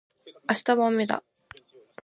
明日はあめだ